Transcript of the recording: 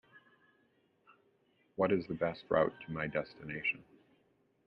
What is the best route to my destination?